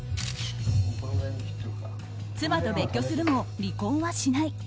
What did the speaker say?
妻と別居するも、離婚はしない。